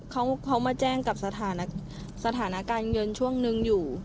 เขาเขามาแจ้งกับสถานะสถานะการเงินช่วงหนึ่งอยู่